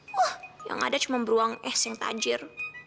wah yang ada cuma beruang es yang tajir